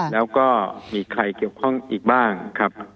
แล้วก็มีใครเกี่ยวข้องอีกบ้างครับ